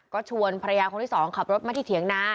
ก็ชวนภรรยาคนที่สองขับรถมาที่เถียงนา